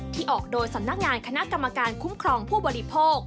ออกโดยสำนักงานคณะกรรมการคุ้มครองผู้บริโภค